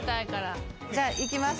じゃあいきます。